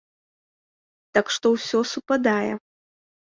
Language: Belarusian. Так што ўсё супадае.